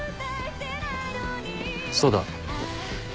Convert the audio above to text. そうだ。